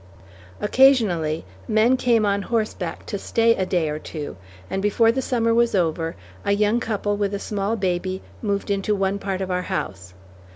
Occasionally, men came on horseback to stay a day or two, and before the summer was over, a young couple with a small baby moved into one part of our house.